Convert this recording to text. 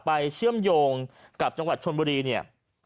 ไปเชื่อมโยงกับจังหวัดชนบรี